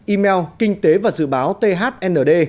email kinh tế và dự báo thnd